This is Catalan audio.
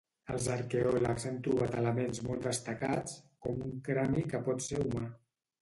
Els arqueòlegs han trobat elements molts destacats com un crani que pot ser humà.